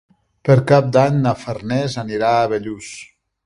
Per Cap d'Any na Farners anirà a Bellús.